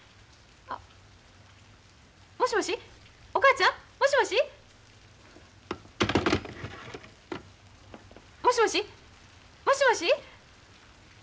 あもしもしお母ちゃん？もしもし？もしもし？もしもし？